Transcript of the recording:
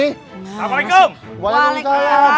hai waalaikumsalam waalaikumsalam